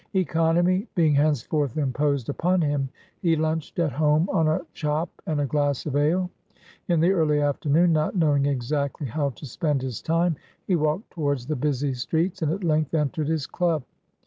Economy being henceforth imposed upon him, he lunched at home on a chop and a glass of ale. In the early afternoon, not knowing exactly how to spend his time, he walked towards the busy streets, and at length entered his club.